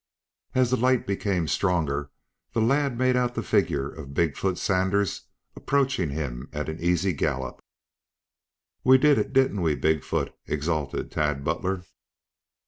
As the light became stronger, the lad made out the figure of Big foot Sanders approaching him at an easy gallop. "We did it, didn't we, Big foot?" exulted Tad Butler.